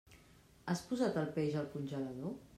Has posat el peix al congelador?